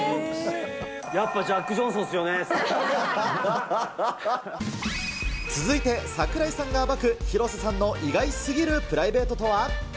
やっぱジャック・ジョンソンっす続いて、櫻井さんが暴く広瀬さんの意外すぎるプライベートとは？